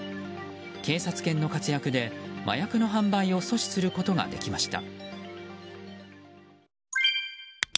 警察犬の活躍で麻薬の販売を阻止することができました。